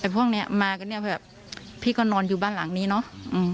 พวกเนี้ยมากันเนี่ยแบบพี่ก็นอนอยู่บ้านหลังนี้เนอะ